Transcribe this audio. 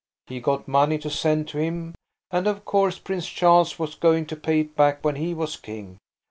He got money to send to him, and of course Prince Charlie was going to pay it back when he was king.